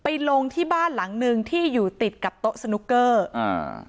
ลงที่บ้านหลังหนึ่งที่อยู่ติดกับโต๊ะสนุกเกอร์อ่า